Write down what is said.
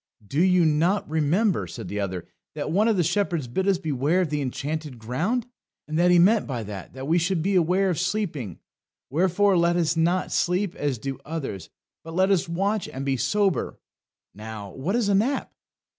"Do you not remember," said the other, "that one of the shepherds bid us beware of the Enchanted Ground? And he meant by that that we should beware of sleeping; wherefore let us not sleep as do others, but let us watch and be sober." Now, what is a nap?